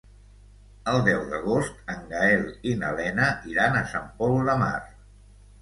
El deu d'agost en Gaël i na Lena iran a Sant Pol de Mar.